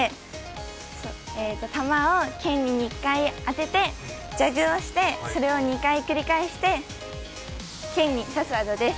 玉を剣に２回当ててジャグをして、それを２回繰り返して、剣に刺す技です。